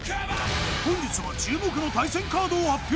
本日は注目の対戦カードを発表